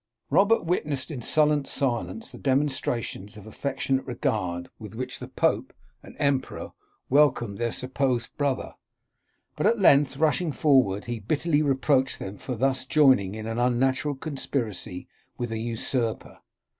. Robert witnessed in sullen silence the demonstra tions of affectionate regard with which the pope and emperor welcomed their supposed brother ; but, at length, rushing forward, he bitterly reproached them for thus joining in an unnatural conspiracy with an usurper.